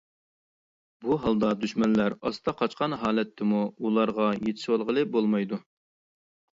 بۇ ھالدا دۈشمەنلەر ئاستا قاچقان ھالەتتىمۇ ئۇلارغا يېتىشىۋالغىلى بولمايدۇ.